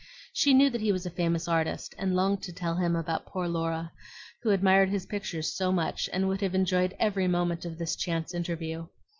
She knew that he was a famous artist, and longed to tell him about poor Laura, who admired his pictures so much and would have enjoyed every moment of this chance interview.